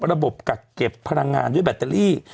กักเก็บพลังงานด้วยแบตเตอรี่